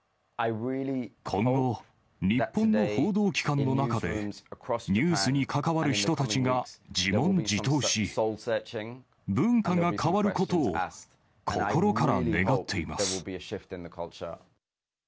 今後、日本の報道機関の中で、ニュースに関わる人たちが自問自答し、文化が変わることを心から願っています。